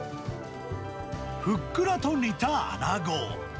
ふっくらと煮たアナゴ。